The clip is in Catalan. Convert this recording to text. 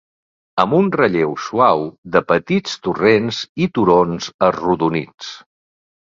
Amb un relleu suau de petits torrents i turons arrodonits.